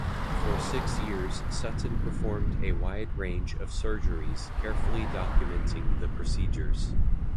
For six years, Sutton performed a wide range of surgeries carefully documenting the procedures.